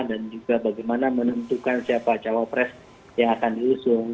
dan juga bagaimana menentukan siapa cawapres yang akan diusung